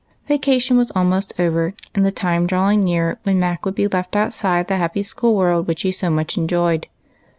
Vacation was almost over, and the time drawing near when Mac would be left outside the happy school world ''THE OTHER FELLOWS.'' 131 which he so much enjoyed.